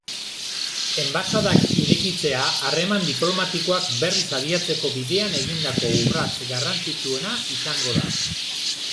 Enbaxadak irekitzea harreman diplomatikoak berriz abiatzeko bidean egindako urrats garrantzitsuena izango da.